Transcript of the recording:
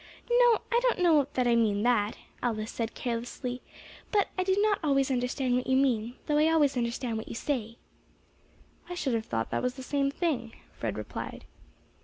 "No, I don't know that I mean that," Alice said carelessly; "but I do not always understand what you mean, though I always understand what you say." "I should have thought that was the same thing," Fred replied.